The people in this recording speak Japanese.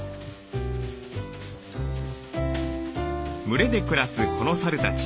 群れで暮らすこのサルたち。